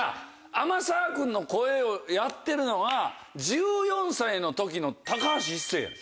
天沢君の声をやってるのは１４歳の時の高橋一生やねん。